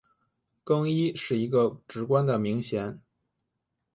更衣是一个职官的名衔。